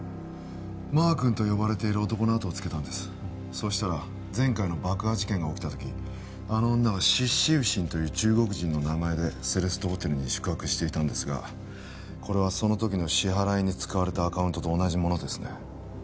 マー君と呼ばれている男の後をつけたんですそうしたら前回の爆破事件が起きた時あの女は聶小倩という中国人の名前でセレストホテルに宿泊していたんですがこれはその時の支払いに使われたアカウントと同じものですね聶